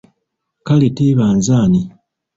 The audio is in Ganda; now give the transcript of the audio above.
Kale teeba nze ani?